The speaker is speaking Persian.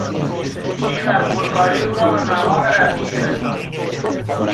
تیز هوشی و پرکاری او را به مقام رفیعی رساند.